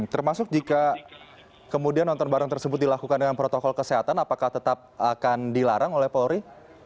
termasuk jika kemudian nonton bareng tersebut dilakukan dengan protokol kesehatan apakah tetap akan dilarang oleh polri